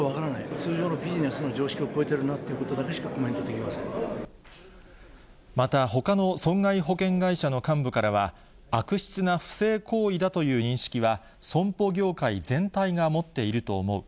通常のビジネスの常識を超えているなということだけしかコメントまた、ほかの損害保険会社の幹部からは、悪質な不正行為だという認識は、損保業界全体が持っていると思う。